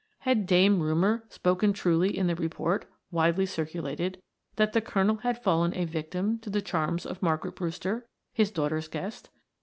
Had Dame Rumor spoken truly in the report, widely circulated, that the colonel had fallen a victim to the charms of Margaret Brewster, his daughters' guest?